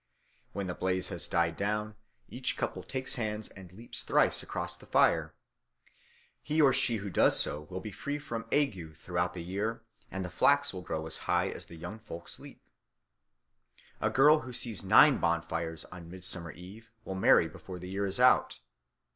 When the blaze has died down, each couple takes hands and leaps thrice across the fire. He or she who does so will be free from ague throughout the year, and the flax will grow as high as the young folks leap. A girl who sees nine bonfires on Midsummer Eve will marry before the year is out.